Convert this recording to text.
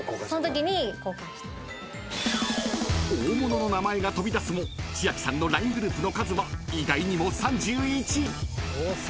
［大物の名前が飛び出すも千秋さんのＬＩＮＥグループの数は意外にも３１］